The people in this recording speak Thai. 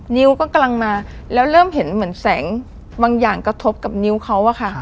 นิ้วก็กำลังมาแล้วเริ่มเห็นเหมือนแสงบางอย่างกระทบกับนิ้วเขาอะค่ะ